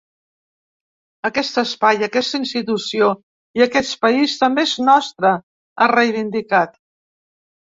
Aquest espai, aquesta institució i aquest país també és nostre, ha reivindicat.